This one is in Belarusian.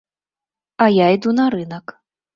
А я іду на рынак.